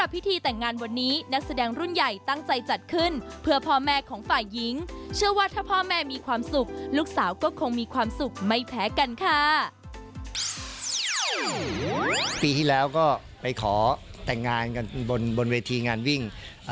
ปีที่แล้วก็ไปขอแต่งงานกันบนเวทีงานวิ่ง